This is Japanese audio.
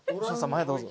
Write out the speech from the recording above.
前どうぞ。